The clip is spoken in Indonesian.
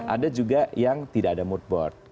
ada juga yang tidak ada mood board